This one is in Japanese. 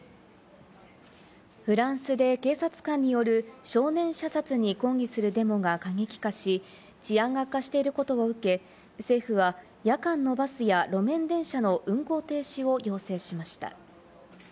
フランスで警察官による少年射殺に抗議するデモが過激化し、治安が悪化していることを受け、政府は夜間のバスや路面電車の運行停止を要請しました。